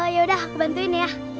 yaudah aku bantuin ya